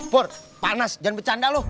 pur panas jangan bercanda loh